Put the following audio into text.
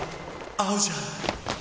合うじゃん！！